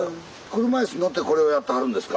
車椅子乗ってこれをやってはるんですか？